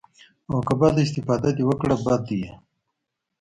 او که بده استفاده دې وکړه بد ديه.